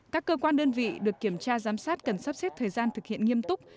các cơ quan đơn vị được kiểm tra giám sát cần sắp xếp thời gian thực hiện nghiêm túc